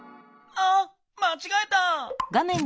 あっまちがえた！